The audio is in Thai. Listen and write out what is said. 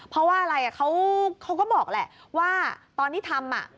เพราะว่าอะไรเขาก็บอกแหละว่าตอนที่ทำ